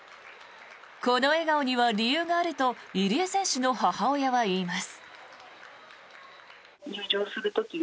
この笑顔には理由があると入江選手の母親は言います。